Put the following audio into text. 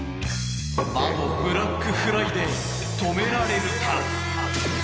魔のブラックフライデー止められるか。